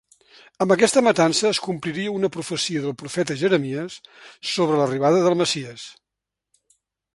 Amb aquesta matança es compliria una profecia del profeta Jeremies sobre l'arribada del Messies.